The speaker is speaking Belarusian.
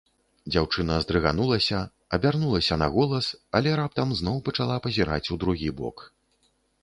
Дзяўчына здрыганулася, абярнулася на голас, але раптам зноў пачала пазіраць у другі бок.